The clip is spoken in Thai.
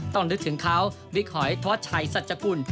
ต้องนึกถึงคราววิกหอยท่อชัยสัจจะกุล